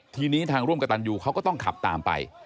ทีนี้ทางร่วมกับตันยูเขาก็ต้องขับตามไป